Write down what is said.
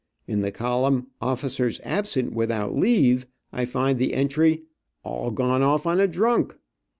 In the column "officers absent without leave" I find the entry "all gone off on a drunk."